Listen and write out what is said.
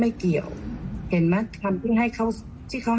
ไม่ต้องมาถามเป็นเปอร์เซ็นต์แล้วนะ